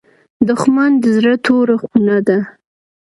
دښمن د زړه توره خونه ده